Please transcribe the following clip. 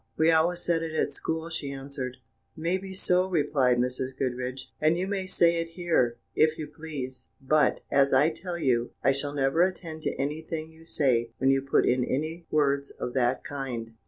"We always said it at school," she answered. "May be so," replied Mrs. Goodriche, "and you may say it here, if you please; but, as I tell you, I shall never attend to anything you say when you put in any words of that kind."